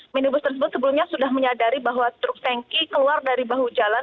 minibus tersebut sebelumnya sudah menyadari bahwa truk tanki keluar dari bahu jalan